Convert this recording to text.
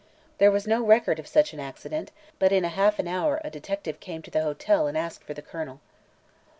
There was no record of such an accident, but in half an hour a detective came to the hotel and asked for the Colonel.